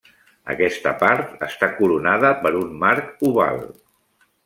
Aquesta part està coronada per un marc oval.